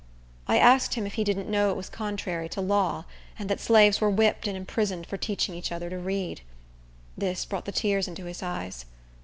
I asked him if he didn't know it was contrary to law; and that slaves were whipped and imprisoned for teaching each other to read. This brought the tears into his eyes.